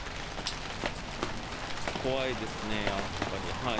怖いですね、やっぱり。